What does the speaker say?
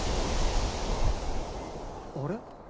あれ？